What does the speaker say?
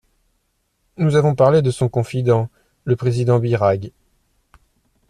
Nous avons parlé de son confident, le président Birague.